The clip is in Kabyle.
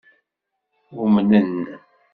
Umnen?